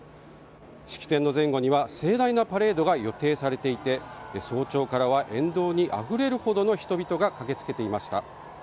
式典の前後には盛大なパレードが予定されていて早朝から沿道にあふれるほどの人々が駆けつけていました。